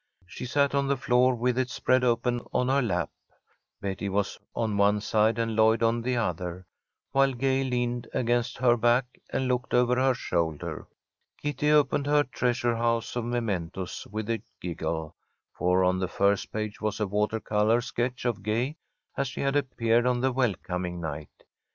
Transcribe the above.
She sat on the floor with it spread open on her lap. Betty was on one side and Lloyd on the other, while Gay leaned against her back and looked over her shoulder. Kitty opened her treasure house of mementos with a giggle, for on the first page was a water colour sketch of Gay as she had appeared on the welcoming night.